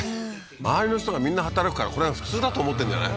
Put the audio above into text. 周りの人がみんな働くからこれが普通だと思ってんじゃない？